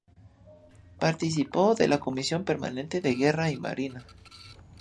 Participó de la comisión permanente de Guerra y Marina.